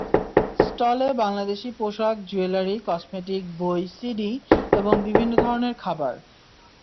স্টলে বাংলাদেশি পোশাক, jewellery, cosmetic, বই, সিডি এবং বিভিন্ন ধরনের খাবার।